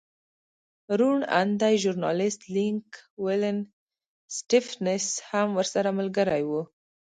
روڼ اندی ژورنالېست لینک ولن سټېفنس هم ورسره ملګری و.